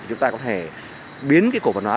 chúng ta có thể biến cổ phần hóa